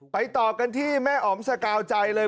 ต่อกันที่แม่อ๋อมสกาวใจเลย